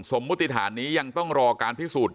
มุติฐานนี้ยังต้องรอการพิสูจน์